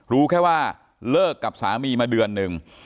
รู้แค่ว่าเลิกกับสามีมาเดือนหนึ่ง